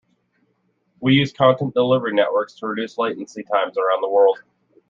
We use content delivery networks to reduce latency times around the world.